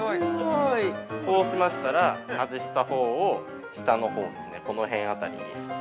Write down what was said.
◆こうしましたら、外したほうを下のほうですね、この辺あたりに。